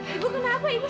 ibu kenapa bu